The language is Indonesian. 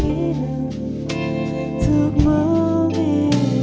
melihat sebuah jalan yang langsung